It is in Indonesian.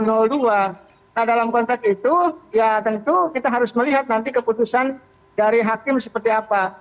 nah dalam konteks itu ya tentu kita harus melihat nanti keputusan dari hakim seperti apa